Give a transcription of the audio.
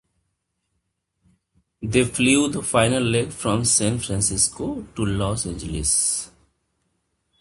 They flew the final leg from San Francisco to Los Angeles.